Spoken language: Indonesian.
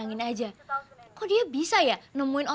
mungkin saya gak bisa ditemui nih